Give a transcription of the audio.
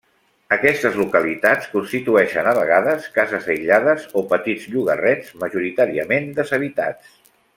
Aquestes localitats constitueixen a vegades cases aïllades o petits llogarrets majoritàriament deshabitats.